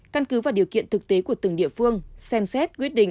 căn cứ vào điều kiện thực tế của từng địa phương xem xét quyết định